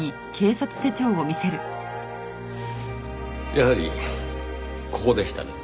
やはりここでしたね。